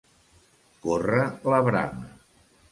Córrer la brama.